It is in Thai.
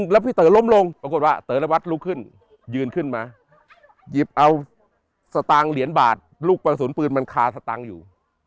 อรัตลูกประสุนปืนมันคาร์สตางค์อยู่